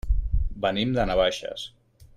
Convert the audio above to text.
Venim de Navaixes.